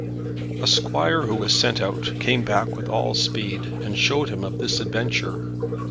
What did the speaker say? A squire who was sent out, came back with all speed, and showed him of this adventure.